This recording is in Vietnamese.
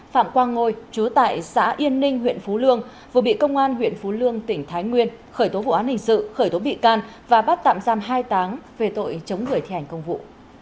phạm quang ngôi chú tại xã yên ninh huyện phú lương vừa bị công an huyện phú lương tỉnh thái nguyên khởi tố vụ án hình sự khởi tố bị can và bắt tạm giam hai táng về tội chống người thi hành công vụ